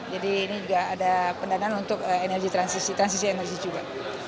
jadi ini juga ada pendanaan untuk transisi energi juga